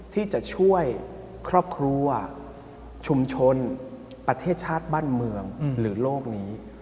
ที่จะช่วยครอบครัวชุมชนประเทศชาติบ้านเมืองหรือโลกนี้